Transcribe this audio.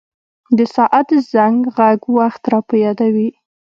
د ساعت زنګ ږغ وخت را په یادوي.